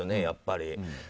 やっぱり。